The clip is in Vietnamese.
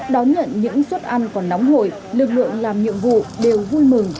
đón nhận những suất ăn còn nóng hồi lực lượng làm nhiệm vụ đều vui mừng